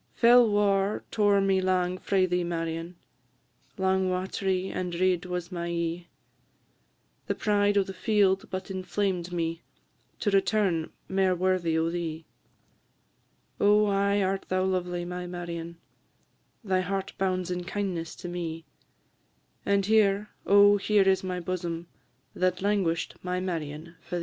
Fell war tore me lang frae thee, Marion, Lang wat'ry and red was my e'e; The pride o' the field but inflamed me To return mair worthy o' thee. Oh, aye art thou lovely, my Marion, Thy heart bounds in kindness to me; And here, oh, here is my bosom, That languish'd, my Marion, for thee.